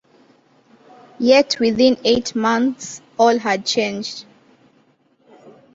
Yet within eight months all had changed.